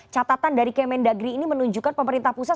catatan dari kementerian dalam negeri ini menunjukkan pemerintah pusat